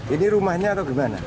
ini rumahnya atau gimana